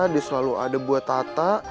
dia selalu ada buat tata